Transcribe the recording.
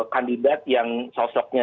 kandidat yang sosoknya